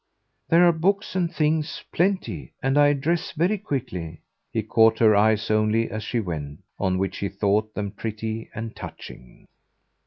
"There are books and things plenty; and I dress very quickly." He caught her eyes only as she went, on which he thought them pretty and touching.